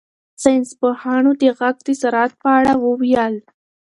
ساینس پوهانو د غږ د سرعت په اړه وویل.